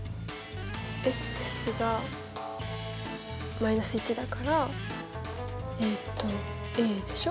が−１だからえっとでしょ。